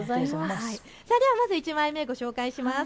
まず１枚目、ご紹介します。